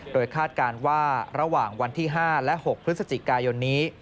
โดยคาดการณ์ว่าระหว่างวันที่๕และ๖พฤศจิกายนนี้